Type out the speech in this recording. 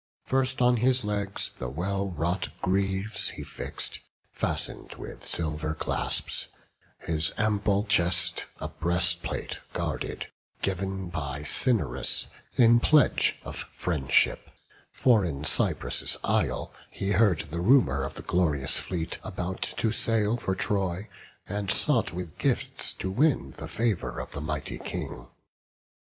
First on his legs the well wrought greaves he fix'd, Fasten'd with silver clasps; his ample chest A breastplate guarded, giv'n by Cinyras In pledge of friendship; for in Cyprus' isle He heard the rumour of the glorious fleet About to sail for Troy; and sought with gifts To win the favour of the mighty King.